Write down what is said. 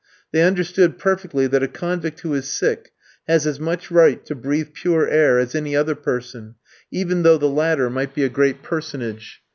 They understood perfectly that a convict who is sick has as much right to breathe pure air as any other person, even though the latter might be a great personage.